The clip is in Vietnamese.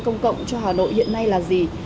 công cộng cho hà nội hiện nay là gì